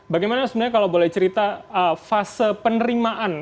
bagaimana sebenarnya kalau boleh cerita fase penerimaan